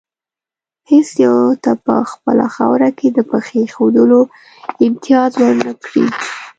هېڅ یو ته په خپله خاوره کې د پښې ایښودلو امتیاز ور نه کړي.